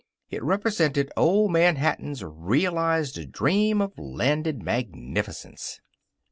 It represented Old Man Hatton's realized dream of landed magnificence.